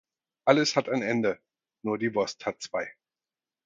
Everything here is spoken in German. Alles hat ein Ende, nur die Wurst hat zwei.